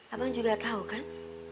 abang juga tau kan